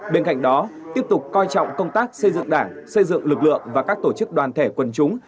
bên cạnh đó tiếp tục coi trọng công tác xây dựng đảng xây dựng lực lượng và các tổ chức đoàn thể quần chúng